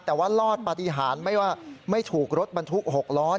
แต่ว่ารอดปฏิหารไม่ว่าไม่ถูกรถบรรทุก๖ล้อ